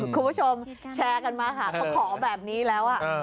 คุณผู้ชมแชร์กันมาค่ะเขาขอแบบนี้แล้ว